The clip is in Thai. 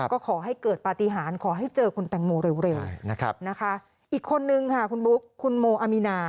ก็ขอให้เกิดปฏิหารขอให้เจอคุณแตงโมเร็วนะคะอีกคนนึงค่ะคุณบุ๊คคุณโมอามีนา